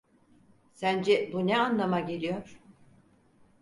Sence bu ne anlama geliyor?